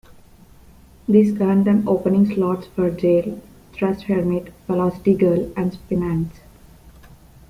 This earned them opening slots for Jale, Thrush Hermit, Velocity Girl and the Spinanes.